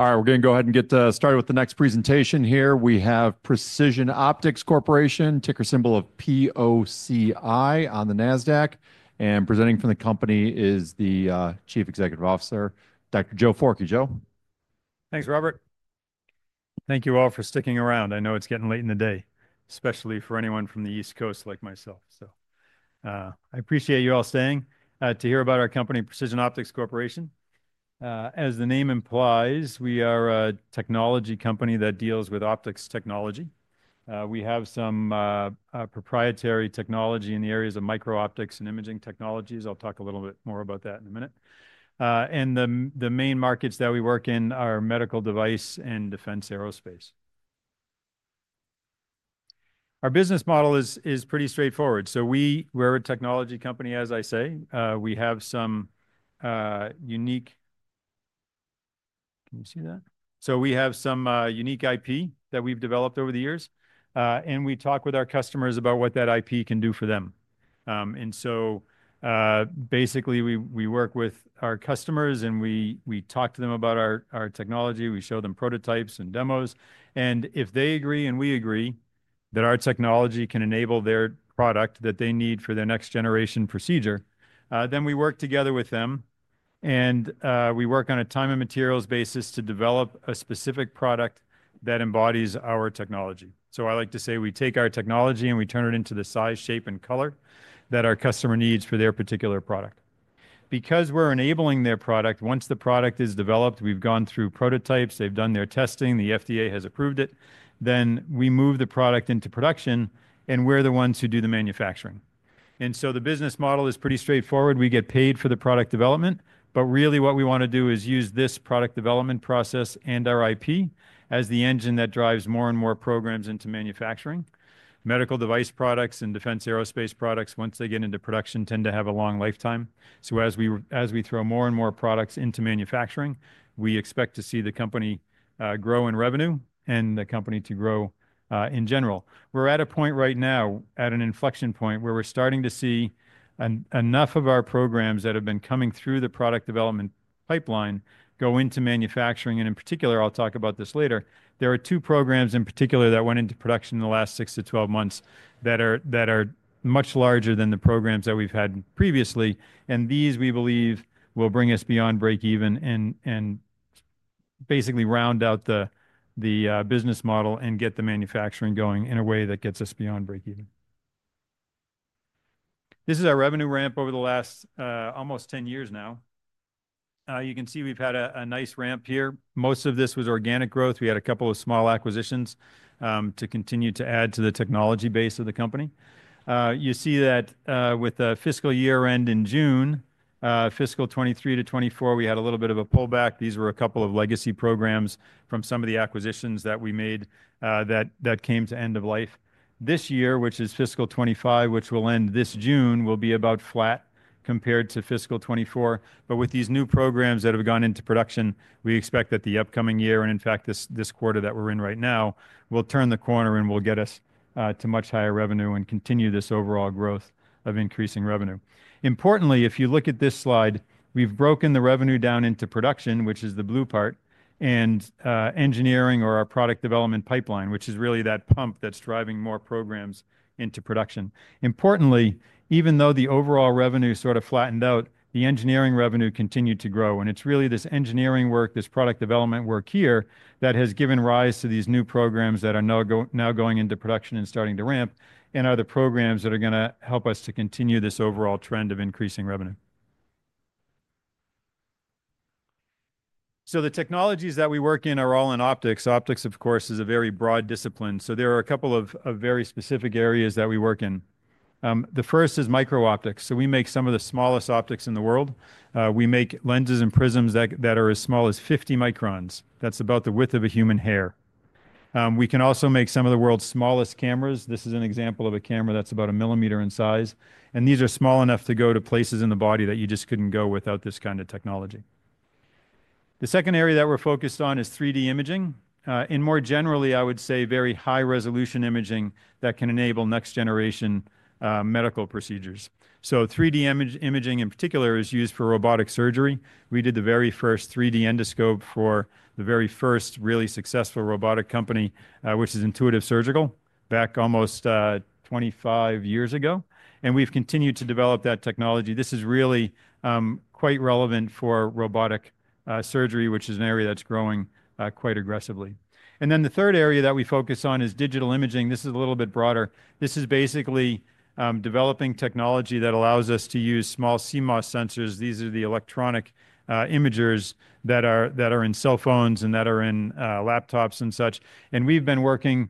All right, we're going to go ahead and get started with the next presentation here. We have Precision Optics Corporation, ticker symbol of POCI on the Nasdaq. Presenting from the company is the Chief Executive Officer, Dr. Joe Forkey. Joe? Thanks, Robert. Thank you all for sticking around. I know it's getting late in the day, especially for anyone from the East Coast like myself. I appreciate you all staying to hear about our company, Precision Optics Corporation. As the name implies, we are a technology company that deals with optics technology. We have some proprietary technology in the areas of Micro-Optics and imaging technologies. I'll talk a little bit more about that in a minute. The main markets that we work in are medical device and defense aerospace. Our business model is pretty straightforward. We're a technology company, as I say. We have some unique—can you see that? We have some unique IP that we've developed over the years. We talk with our customers about what that IP can do for them. Basically, we work with our customers and we talk to them about our technology. We show them prototypes and demos. If they agree and we agree that our technology can enable their product that they need for their next generation procedure, we work together with them. We work on a time and materials basis to develop a specific product that embodies our technology. I like to say we take our technology and we turn it into the size, shape, and color that our customer needs for their particular product. Because we're enabling their product, once the product is developed, we've gone through prototypes, they've done their testing, the FDA has approved it, we move the product into production and we're the ones who do the manufacturing. The business model is pretty straightforward. We get paid for the product development. Really what we want to do is use this product development process and our IP as the engine that drives more and more programs into manufacturing. Medical device products and defense aerospace products, once they get into production, tend to have a long lifetime. As we throw more and more products into manufacturing, we expect to see the company grow in revenue and the company to grow in general. We're at a point right now at an inflection point where we're starting to see enough of our programs that have been coming through the product development pipeline go into manufacturing. In particular, I'll talk about this later. There are two programs in particular that went into production in the last 6-12 months that are much larger than the programs that we've had previously. These we believe will bring us beyond breakeven and basically round out the business model and get the manufacturing going in a way that gets us beyond breakeven. This is our revenue ramp over the last almost 10 years now. You can see we've had a nice ramp here. Most of this was organic growth. We had a couple of small acquisitions to continue to add to the technology base of the company. You see that with the fiscal year end in June, fiscal 2023 to 2024, we had a little bit of a pullback. These were a couple of legacy programs from some of the acquisitions that we made that came to end of life. This year, which is fiscal 2025, which will end this June, will be about flat compared to fiscal 2024. With these new programs that have gone into production, we expect that the upcoming year and in fact this quarter that we're in right now will turn the corner and will get us to much higher revenue and continue this overall growth of increasing revenue. Importantly, if you look at this slide, we've broken the revenue down into production, which is the blue part, and engineering or our product development pipeline, which is really that pump that's driving more programs into production. Importantly, even though the overall revenue sort of flattened out, the engineering revenue continued to grow. It's really this engineering work, this product development work here that has given rise to these new programs that are now going into production and starting to ramp and are the programs that are going to help us to continue this overall trend of increasing revenue. The technologies that we work in are all in optics. Optics, of course, is a very broad discipline. There are a couple of very specific areas that we work in. The first is Micro-Optics. We make some of the smallest optics in the world. We make lenses and prisms that are as small as 50 microns. That's about the width of a human hair. We can also make some of the world's smallest cameras. This is an example of a camera that's about a millimeter in size. These are small enough to go to places in the body that you just couldn't go without this kind of technology. The second area that we're focused on is 3D imaging. More generally, I would say very high-resolution imaging that can enable next-generation medical procedures. 3D imaging in particular is used for robotic surgery. We did the very first 3D endoscope for the very first really successful robotic company, which is Intuitive Surgical, back almost 25 years ago. We've continued to develop that technology. This is really quite relevant for robotic surgery, which is an area that's growing quite aggressively. The third area that we focus on is digital imaging. This is a little bit broader. This is basically developing technology that allows us to use small CMOS sensors. These are the electronic imagers that are in cell phones and that are in laptops and such. We've been working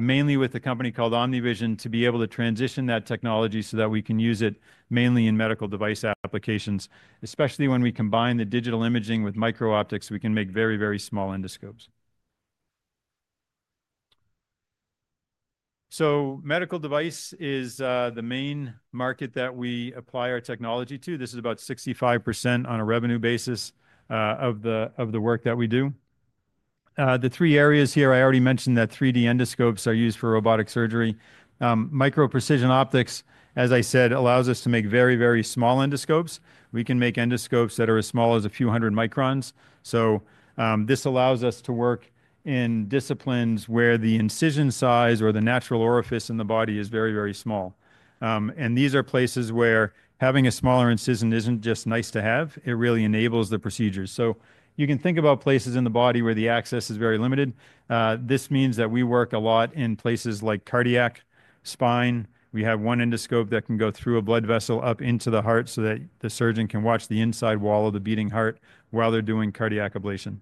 mainly with a company called OMNIVISION to be able to transition that technology so that we can use it mainly in medical device applications. Especially when we combine the digital imaging with Micro-Optics, we can make very, very small endoscopes. Medical device is the main market that we apply our technology to. This is about 65% on a revenue basis of the work that we do. The three areas here, I already mentioned that 3D endoscopes are used for robotic surgery. Micro-Precision Optics, as I said, allows us to make very, very small endoscopes. We can make endoscopes that are as small as a few hundred microns. This allows us to work in disciplines where the incision size or the natural orifice in the body is very, very small. These are places where having a smaller incision isn't just nice to have, it really enables the procedures. You can think about places in the body where the access is very limited. This means that we work a lot in places like cardiac, spine. We have one endoscope that can go through a blood vessel up into the heart so that the surgeon can watch the inside wall of the beating heart while they're doing cardiac ablation.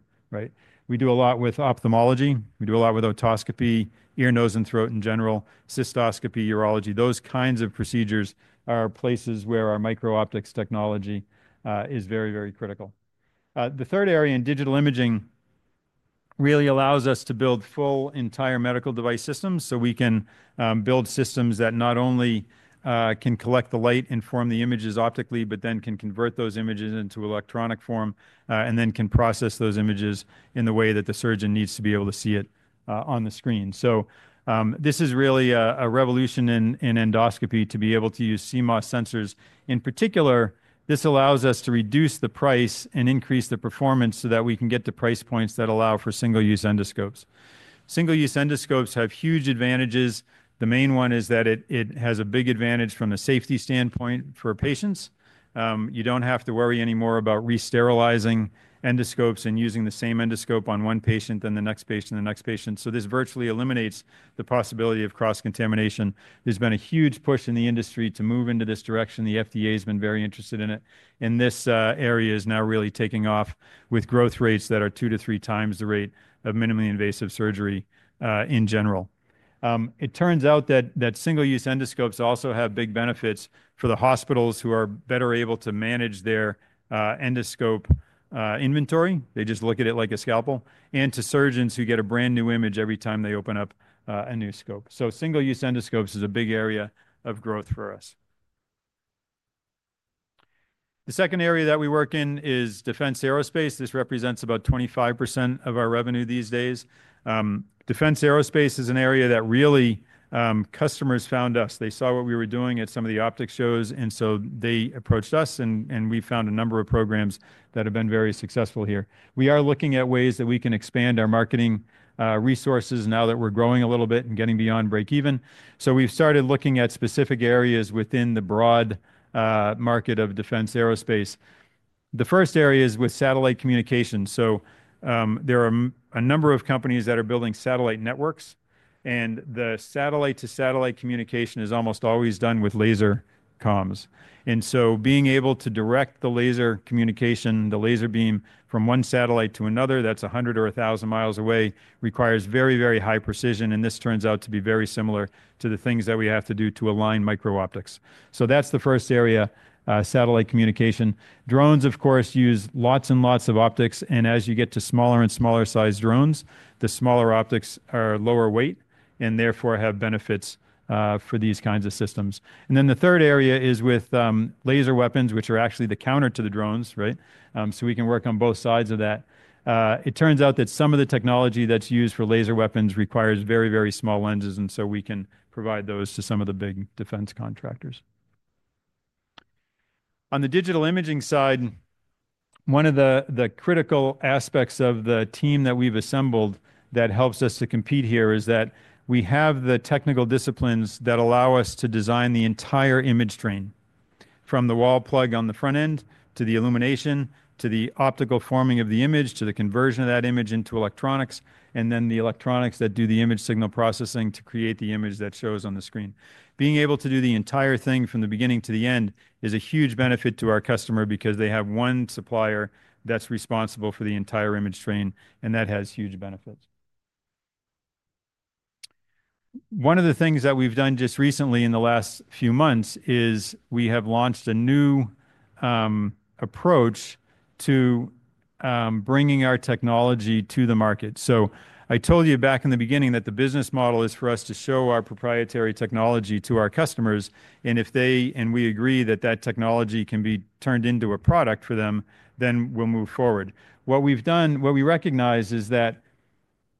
We do a lot with ophthalmology. We do a lot with otoscopy, ear, nose, and throat in general, cystoscopy, urology. Those kinds of procedures are places where our Micro-Optics technology is very, very critical. The third area in digital imaging really allows us to build full entire medical device systems so we can build systems that not only can collect the light and form the images optically, but then can convert those images into electronic form and then can process those images in the way that the surgeon needs to be able to see it on the screen. This is really a revolution in endoscopy to be able to use CMOS sensors. In particular, this allows us to reduce the price and increase the performance so that we can get to price points that allow for single-use endoscopes. Single-use endoscopes have huge advantages. The main one is that it has a big advantage from the safety standpoint for patients. You do not have to worry anymore about re-sterilizing endoscopes and using the same endoscope on one patient, then the next patient, then the next patient. This virtually eliminates the possibility of cross-contamination. There has been a huge push in the industry to move into this direction. The FDA has been very interested in it. This area is now really taking off with growth rates that are two to three times the rate of minimally invasive surgery in general. It turns out that single-use endoscopes also have big benefits for the hospitals who are better able to manage their endoscope inventory. They just look at it like a scalpel. And to surgeons who get a brand new image every time they open up a new scope. Single-use endoscopes is a big area of growth for us. The second area that we work in is defense aerospace. This represents about 25% of our revenue these days. Defense aerospace is an area that really customers found us. They saw what we were doing at some of the optics shows. They approached us and we found a number of programs that have been very successful here. We are looking at ways that we can expand our marketing resources now that we're growing a little bit and getting beyond breakeven. We've started looking at specific areas within the broad market of defense aerospace. The first area is with satellite communications. There are a number of companies that are building satellite networks. The satellite-to-satellite communication is almost always done with laser comms. Being able to direct the laser communication, the laser beam from one satellite to another that is 100 or 1,000 miles away requires very, very high precision. This turns out to be very similar to the things that we have to do to align Micro-Optics. That is the first area, satellite communication. Drones, of course, use lots and lots of optics. As you get to smaller and smaller size drones, the smaller optics are lower weight and therefore have benefits for these kinds of systems. The third area is with laser weapons, which are actually the counter to the drones. We can work on both sides of that. It turns out that some of the technology that's used for laser weapons requires very, very small lenses. We can provide those to some of the big defense contractors. On the digital imaging side, one of the critical aspects of the team that we've assembled that helps us to compete here is that we have the technical disciplines that allow us to design the entire image train from the wall plug on the front end to the illumination to the optical forming of the image to the conversion of that image into electronics and then the electronics that do the image signal processing to create the image that shows on the screen. Being able to do the entire thing from the beginning to the end is a huge benefit to our customer because they have one supplier that's responsible for the entire image train and that has huge benefits. One of the things that we've done just recently in the last few months is we have launched a new approach to bringing our technology to the market. I told you back in the beginning that the business model is for us to show our proprietary technology to our customers. If they and we agree that that technology can be turned into a product for them, then we'll move forward. What we've done, what we recognize is that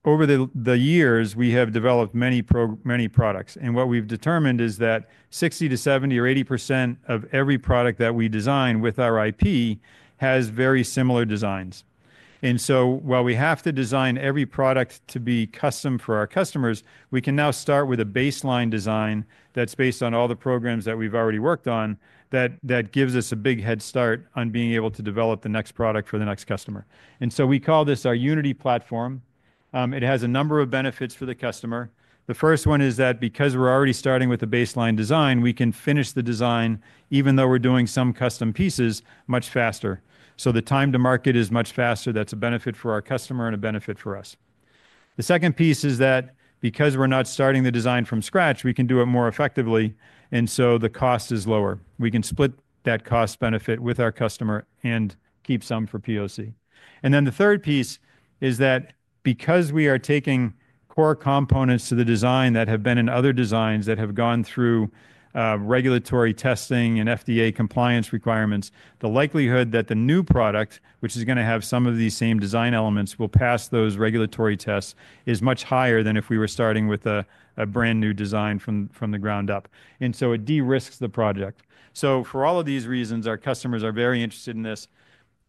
over the years, we have developed many products. What we've determined is that 60-70 or 80% of every product that we design with our IP has very similar designs. While we have to design every product to be custom for our customers, we can now start with a baseline design that's based on all the programs that we've already worked on that gives us a big head start on being able to develop the next product for the next customer. We call this our Unity platform. It has a number of benefits for the customer. The first one is that because we're already starting with a baseline design, we can finish the design even though we're doing some custom pieces much faster. The time to market is much faster. That's a benefit for our customer and a benefit for us. The second piece is that because we're not starting the design from scratch, we can do it more effectively. The cost is lower. We can split that cost benefit with our customer and keep some for POC. The third piece is that because we are taking core components to the design that have been in other designs that have gone through regulatory testing and FDA compliance requirements, the likelihood that the new product, which is going to have some of these same design elements, will pass those regulatory tests is much higher than if we were starting with a brand new design from the ground up. It de risks the project. For all of these reasons, our customers are very interested in this.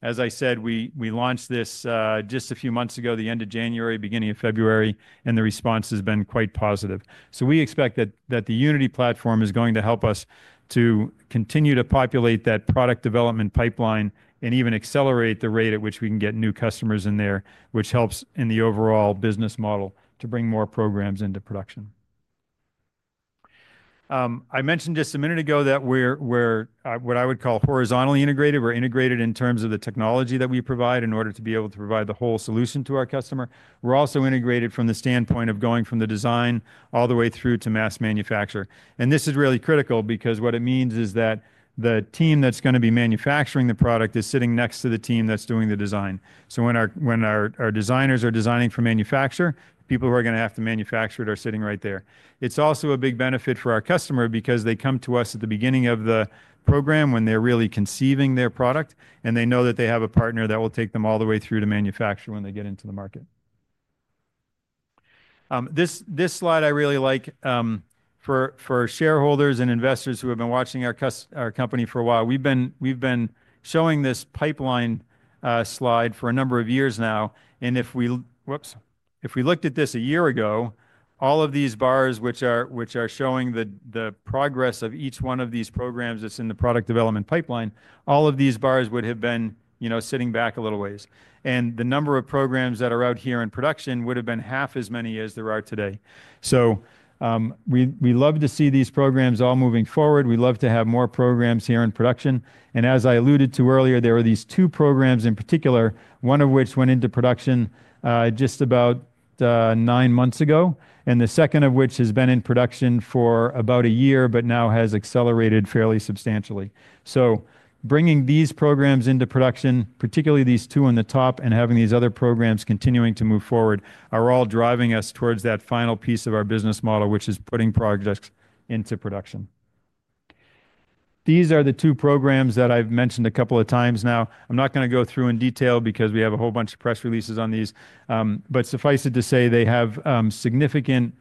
As I said, we launched this just a few months ago, the end of January, beginning of February, and the response has been quite positive. We expect that the Unity platform is going to help us to continue to populate that product development pipeline and even accelerate the rate at which we can get new customers in there, which helps in the overall business model to bring more programs into production. I mentioned just a minute ago that we're what I would call horizontally integrated. We're integrated in terms of the technology that we provide in order to be able to provide the whole solution to our customer. We're also integrated from the standpoint of going from the design all the way through to mass manufacture. This is really critical because what it means is that the team that's going to be manufacturing the product is sitting next to the team that's doing the design. When our designers are designing for manufacture, people who are going to have to manufacture it are sitting right there. It's also a big benefit for our customer because they come to us at the beginning of the program when they're really conceiving their product and they know that they have a partner that will take them all the way through to manufacture when they get into the market. This slide I really like for shareholders and investors who have been watching our company for a while. We've been showing this pipeline slide for a number of years now. If we looked at this a year ago, all of these bars which are showing the progress of each one of these programs that's in the product development pipeline, all of these bars would have been sitting back a little ways. The number of programs that are out here in production would have been half as many as there are today. We love to see these programs all moving forward. We love to have more programs here in production. As I alluded to earlier, there are these two programs in particular, one of which went into production just about nine months ago. The second of which has been in production for about a year, but now has accelerated fairly substantially. Bringing these programs into production, particularly these two on the top and having these other programs continuing to move forward are all driving us towards that final piece of our business model, which is putting projects into production. These are the two programs that I've mentioned a couple of times now. I'm not going to go through in detail because we have a whole bunch of press releases on these. Suffice it to say, they have significant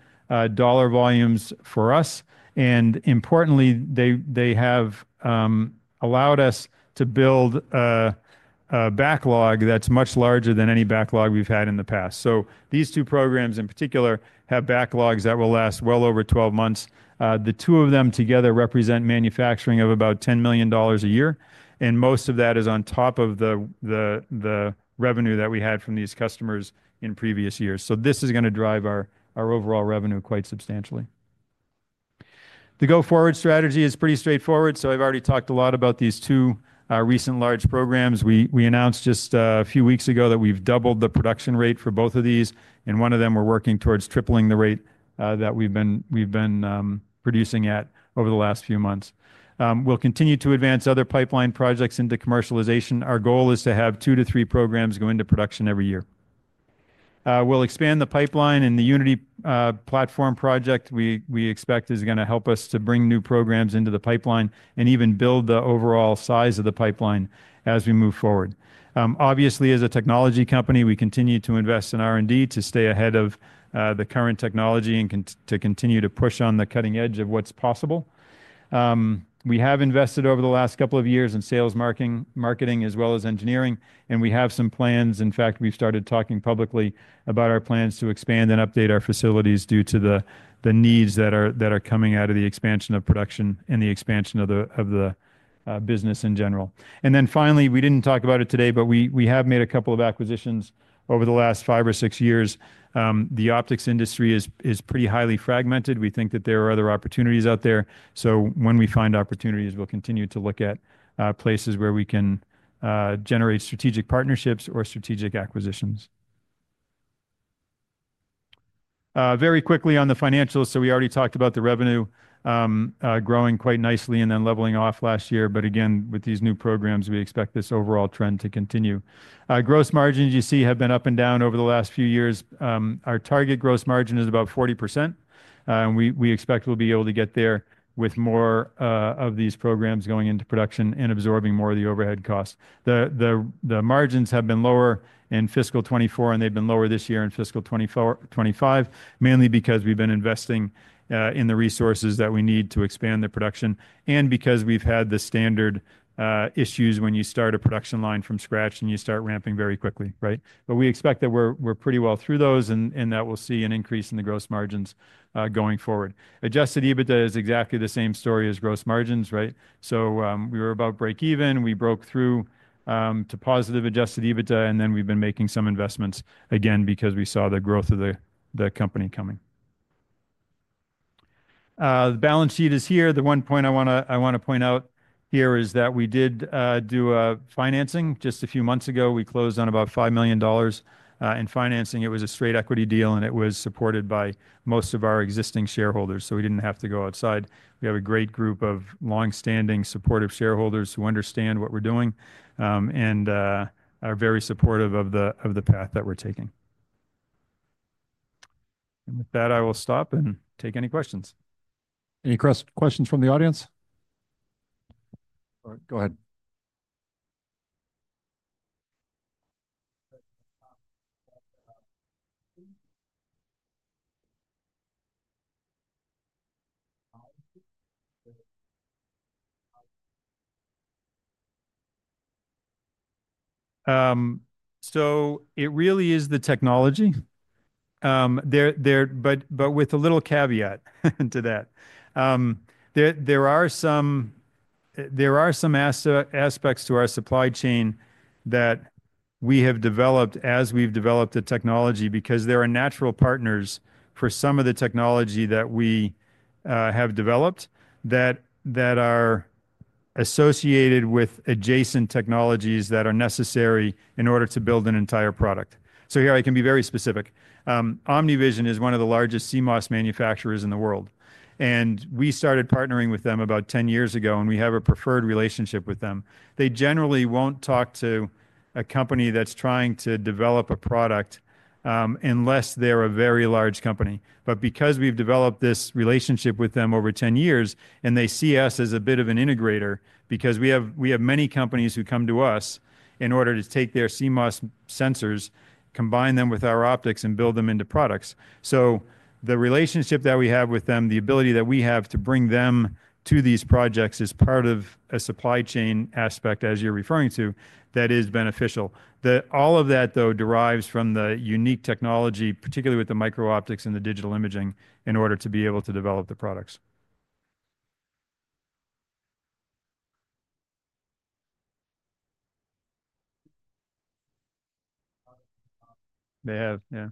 dollar volumes for us. Importantly, they have allowed us to build a backlog that's much larger than any backlog we've had in the past. These two programs in particular have backlogs that will last well over 12 months. The two of them together represent manufacturing of about $10 million a year. Most of that is on top of the revenue that we had from these customers in previous years. This is going to drive our overall revenue quite substantially. The go-forward strategy is pretty straightforward. I've already talked a lot about these two recent large programs. We announced just a few weeks ago that we've doubled the production rate for both of these. One of them, we're working towards tripling the rate that we've been producing at over the last few months. We'll continue to advance other pipeline projects into commercialization. Our goal is to have two to three programs go into production every year. We'll expand the pipeline and the Unity platform project we expect is going to help us to bring new programs into the pipeline and even build the overall size of the pipeline as we move forward. Obviously, as a technology company, we continue to invest in R&D to stay ahead of the current technology and to continue to push on the cutting edge of what's possible. We have invested over the last couple of years in sales marketing as well as engineering. We have some plans. In fact, we've started talking publicly about our plans to expand and update our facilities due to the needs that are coming out of the expansion of production and the expansion of the business in general. Finally, we didn't talk about it today, but we have made a couple of acquisitions over the last five or six years. The optics industry is pretty highly fragmented. We think that there are other opportunities out there. When we find opportunities, we'll continue to look at places where we can generate strategic partnerships or strategic acquisitions. Very quickly on the financials. We already talked about the revenue growing quite nicely and then leveling off last year. Again, with these new programs, we expect this overall trend to continue. Gross margins, you see, have been up and down over the last few years. Our target gross margin is about 40%. We expect we'll be able to get there with more of these programs going into production and absorbing more of the overhead costs. The margins have been lower in fiscal 2024, and they've been lower this year in fiscal 2025, mainly because we've been investing in the resources that we need to expand the production and because we've had the standard issues when you start a production line from scratch and you start ramping very quickly. We expect that we're pretty well through those and that we'll see an increase in the gross margins going forward. Adjusted EBITDA is exactly the same story as gross margins. We were about breakeven. We broke through to positive adjusted EBITDA, and then we've been making some investments again because we saw the growth of the company coming. The balance sheet is here. The one point I want to point out here is that we did do financing just a few months ago. We closed on about $5 million in financing. It was a straight equity deal, and it was supported by most of our existing shareholders. We did not have to go outside. We have a great group of longstanding supportive shareholders who understand what we're doing and are very supportive of the path that we're taking. With that, I will stop and take any questions. Any questions from the audience? All right. Go ahead. It really is the technology, but with a little caveat to that. There are some aspects to our supply chain that we have developed as we've developed the technology because there are natural partners for some of the technology that we have developed that are associated with adjacent technologies that are necessary in order to build an entire product. Here, I can be very specific. OMNIVISION is one of the largest CMOS manufacturers in the world. We started partnering with them about 10 years ago, and we have a preferred relationship with them. They generally won't talk to a company that's trying to develop a product unless they're a very large company. Because we've developed this relationship with them over 10 years and they see us as a bit of an integrator because we have many companies who come to us in order to take their CMOS sensors, combine them with our optics, and build them into products. The relationship that we have with them, the ability that we have to bring them to these projects is part of a supply chain aspect, as you're referring to, that is beneficial. All of that, though, derives from the unique technology, particularly with the Micro-Optics and the digital imaging in order to be able to develop the products. They have, yeah.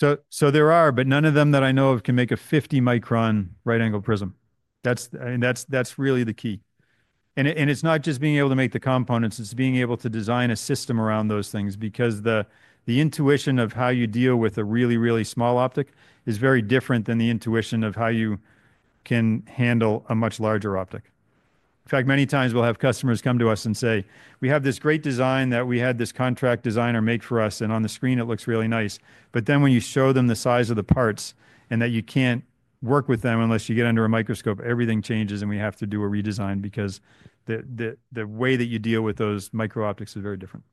There are, but none of them that I know of can make a 50-micron right-angle prism. That's really the key. It's not just being able to make the components. It's being able to design a system around those things because the intuition of how you deal with a really, really small optic is very different than the intuition of how you can handle a much larger optic. In fact, many times we'll have customers come to us and say, "We have this great design that we had this contract designer make for us, and on the screen, it looks really nice." But then when you show them the size of the parts and that you can't work with them unless you get under a microscope, everything changes and we have to do a redesign because the way that you deal with those Micro-Optics is very different.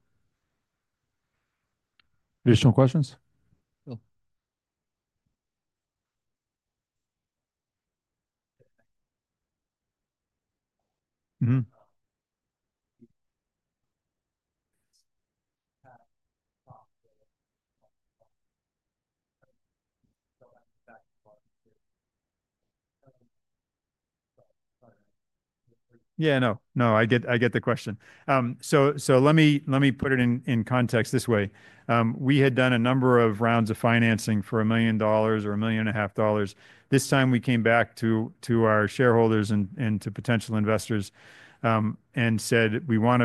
Additional questions? Yeah, no. No, I get the question. Let me put it in context this way. We had done a number of rounds of financing for $1 million or $1.5 million. This time, we came back to our shareholders and to potential investors and said, "We want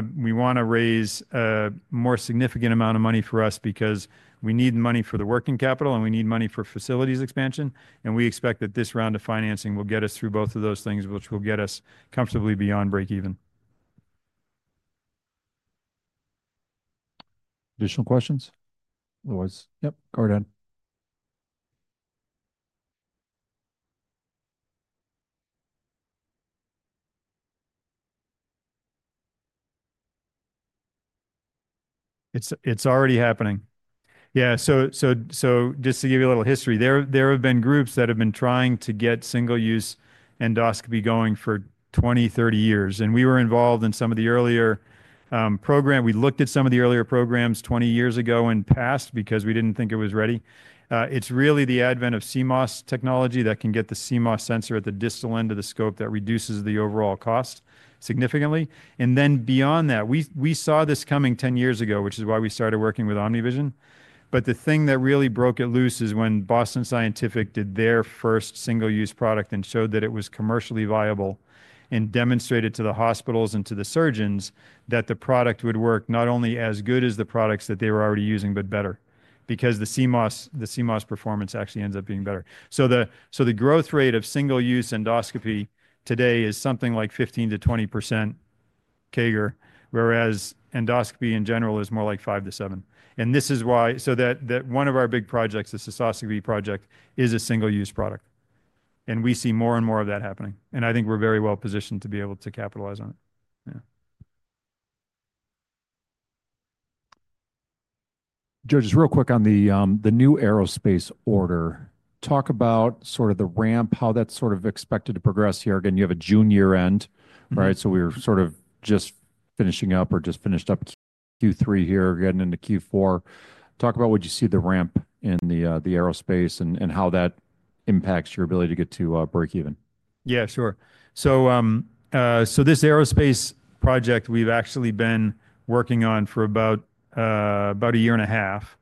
to raise a more significant amount of money for us because we need money for the working capital and we need money for facilities expansion. We expect that this round of financing will get us through both of those things, which will get us comfortably beyond breakeven." Additional questions? Otherwise, yep, go ahead. It's already happening. Yeah. Just to give you a little history, there have been groups that have been trying to get single-use endoscopy going for 20-30 years. We were involved in some of the earlier program. We looked at some of the earlier programs 20 years ago and passed because we didn't think it was ready. It's really the advent of CMOS technology that can get the CMOS sensor at the distal end of the scope that reduces the overall cost significantly. Beyond that, we saw this coming 10 years ago, which is why we started working with OMNIVISION. The thing that really broke it loose is when Boston Scientific did their first single-use product and showed that it was commercially viable and demonstrated to the hospitals and to the surgeons that the product would work not only as good as the products that they were already using, but better because the CMOS performance actually ends up being better. The growth rate of single-use endoscopy today is something like 15%-20% CAGR, whereas endoscopy in general is more like 5%-7%. This is why one of our big projects, the cystoscopy project, is a single-use product. We see more and more of that happening. I think we're very well positioned to be able to capitalize on it. Yeah. George, just real quick on the new aerospace order. Talk about sort of the ramp, how that's sort of expected to progress here. You have a June year-end, right? We were sort of just finishing up or just finished up Q3 here, getting into Q4. Talk about what you see the ramp in the aerospace and how that impacts your ability to get to breakeven. Yeah, sure. This aerospace project, we've actually been working on for about a year and a half.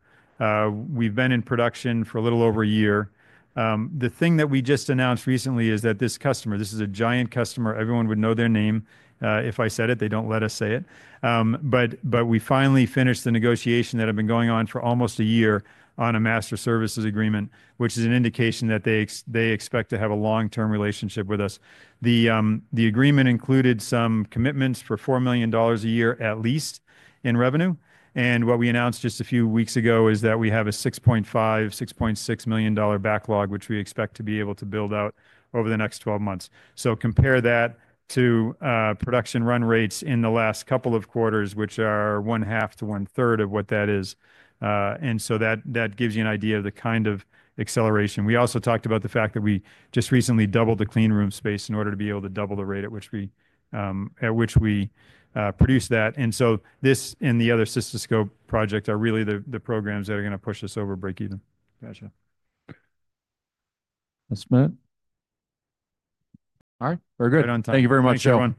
We've been in production for a little over a year. The thing that we just announced recently is that this customer, this is a giant customer. Everyone would know their name if I said it. They don't let us say it. We finally finished the negotiation that had been going on for almost a year on a master services agreement, which is an indication that they expect to have a long-term relationship with us. The agreement included some commitments for $4 million a year at least in revenue. What we announced just a few weeks ago is that we have a $6.5 million, $6.6 million backlog, which we expect to be able to build out over the next 12 months. Compare that to production run rates in the last couple of quarters, which are one half to one third of what that is. That gives you an idea of the kind of acceleration. We also talked about the fact that we just recently doubled the clean room space in order to be able to double the rate at which we produce that. This and the other cystoscope projects are really the programs that are going to push us over breakeven. Gotcha. Ms. Smith? All right. We're good. Thank you very much, Joe.